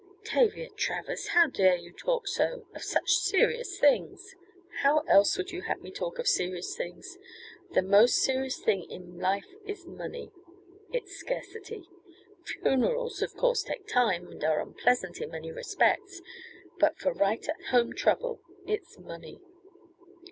"Tavia Travers! How dare you talk so, of such serious things!" "How else would you have me talk of serious things? The most serious thing in my life is money its scarcity. Funerals, of course, take time, and are unpleasant in many respects, but, for right at home trouble, it's money."